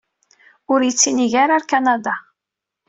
Ur yettinig ara ɣer Kanada.